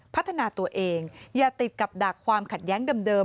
พัฒนาตัวเองอย่าติดกับดักความขัดแย้งเดิม